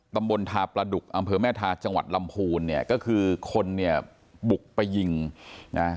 ตำบลทาประดุกอำเภอแม่ทาจังหวัดลำพูนเนี่ยก็คือคนเนี่ยบุกไปยิงนะ